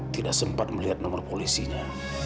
tidak sempat melihat nomor polisinya